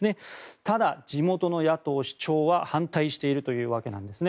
ただ、地元の野党市長は反対しているということなんですね。